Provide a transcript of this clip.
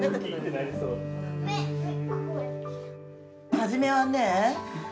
初めはね